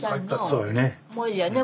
そうやね。